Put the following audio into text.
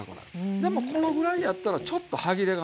でもこのぐらいやったらちょっと歯切れが残る。